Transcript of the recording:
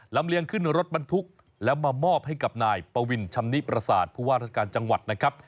เลียงขึ้นรถบรรทุกแล้วมามอบให้กับนายปวินชำนิประสาทผู้ว่าราชการจังหวัดนะครับ